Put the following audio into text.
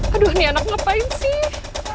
aduh ini anak ngapain sih